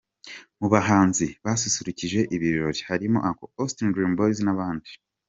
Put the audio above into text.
Mu bahanzi basusurukije ibirori harimo Uncle Austin, Dream Boyz n’abandi.